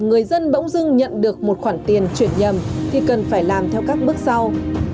người dân bỗng dưng nhận được một khoản tiền chuyển nhầm thì cần phải làm theo các bước sau